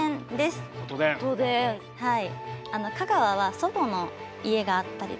はい。